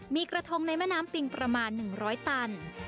มีกระทงในแม่น้ำปิงประมาณ๑๐๐ตัน